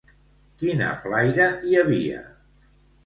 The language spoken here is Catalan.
Quina flaire hi havia?